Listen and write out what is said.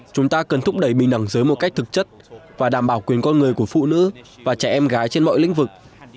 chúng ta cần thúc đẩy bình đẳng giới một cách thực chất và đảm bảo quyền con người của phụ nữ và trẻ em gái trên mọi lĩnh vực